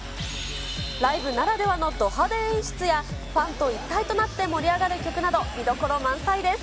ライブならではのド派手演出や、ファンと一体となって盛り上がる曲など見どころ満載です。